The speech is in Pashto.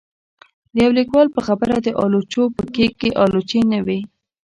د يو ليکوال په خبره د آلوچو په کېک کې آلوچې نه وې